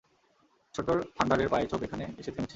ছোট্ট থান্ডারের পায়ের ছাপ এখানে এসে থেমেছে।